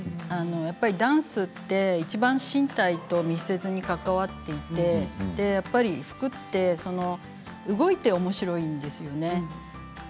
やっぱりダンスっていちばん身体と密接に関わっていてやっぱり服って動いておもしろいんですよね。